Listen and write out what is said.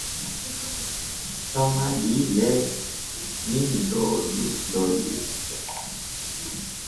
Samadii le ningdoodu loli.